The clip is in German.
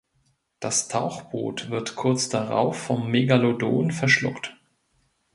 Das Tauchboot wird kurz darauf vom Megalodon verschluckt.